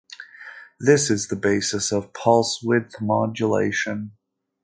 This is the basis of pulse width modulation.